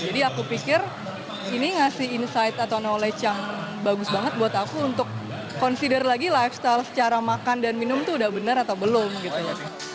jadi aku pikir ini ngasih insight atau knowledge yang bagus banget buat aku untuk consider lagi lifestyle secara makan dan minum itu udah benar atau belum gitu ya